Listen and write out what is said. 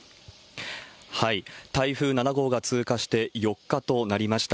台風７号が通過して４日となりました。